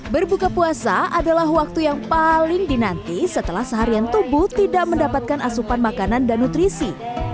berbuka puasa adalah waktu yang paling dinanti setelah seharian tubuh tidak mendapatkan asupan makanan dan nutrisi